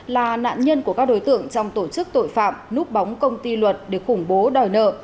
là nạn nhân của các đối tượng trong tổ chức tội phạm núp bóng công ty luật để khủng bố đòi nợ